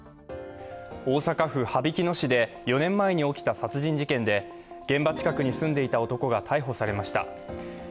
大阪府羽曳野市で４年前に起きた殺人事件で現場近くに住んでいた男が逮捕されました。